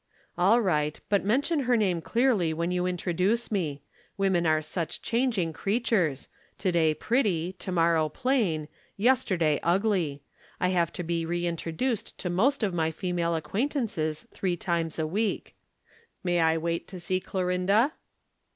"All right, but mention her name clearly when you introduce me. Women are such changing creatures to day pretty, to morrow plain, yesterday ugly. I have to be reintroduced to most of my female acquaintances three times a week. May I wait to see Clorinda?"